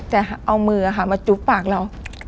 จะเอามือมาจุ๊บปากเรา